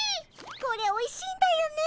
これおいしいんだよね。